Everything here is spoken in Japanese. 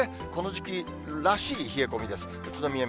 まあ、これでこの時期らしい冷え込みです。